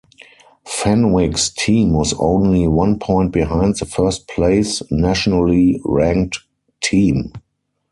Fenwick's team was only one point behind the first place nationally ranked team.